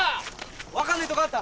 分かんないとこあった？